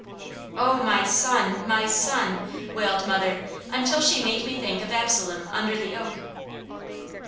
"Oh my son, my son!" wailed mother until she made me think of Absalom under the oak.